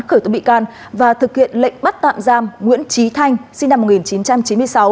khởi tố bị can và thực hiện lệnh bắt tạm giam nguyễn trí thanh sinh năm một nghìn chín trăm chín mươi sáu